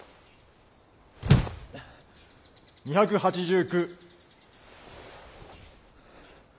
２８９。